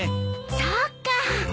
そっか。